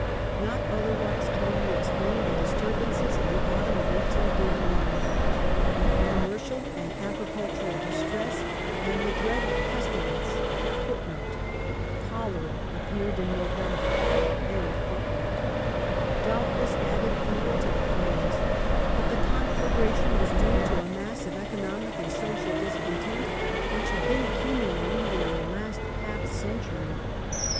Not otherwise can we explain the disturbances in the autumn of 1831. Commercial and agri cultural distress and the dread of pestilence ^ doubtless added fuel to the flames, but the conflagration was due to a mass of economic and social discontent which had been accumulating during the last half century.